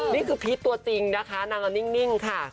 นี่คือพีชตัวจริงนะคะนางนางนิ่งค่ะ